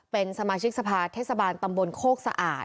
เป็นสมาชิกสภาเทศบาลตำบลโคกสะอาด